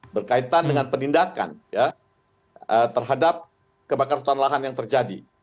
berkaitan dengan penindakan terhadap kebakaran hutan lahan yang terjadi